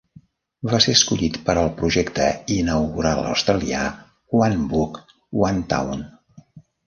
Va ser escollit per al projecte inaugural australià "One Book-One Town".